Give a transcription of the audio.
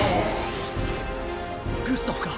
グスタフか？